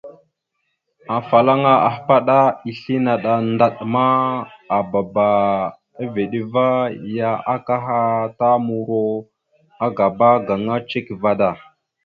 Afalaŋa ahpaɗá islé naɗ a ndaɗ ma, aababa a veɗ ava ya akaha ta muro agaba gaŋa cek vaɗ da.